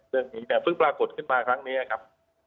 แต่มีแต่พึ่งปรากฏขึ้นมาครั้งนี้ครับ